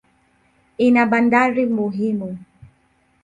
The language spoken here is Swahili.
Ina bandari muhimu.